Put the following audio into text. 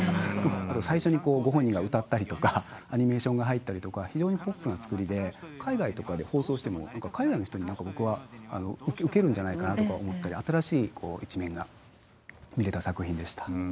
あと最初にご本人が歌ったりとかアニメーションが入ったりとか非常にポップな作りで海外とかで放送しても海外の人に何か僕は受けるんじゃないかなとか思ったり新しい一面が見れた作品でした。